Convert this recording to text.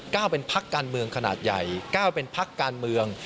ก้าวเป็นพักการเมืองขนาดใหญ่ก้าวเป็นพักการเมือง